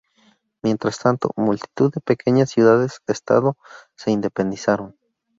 Mientras tanto, multitud de pequeñas ciudades-estado se independizaron.